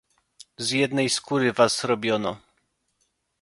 "Z jednej skóry was robiono!"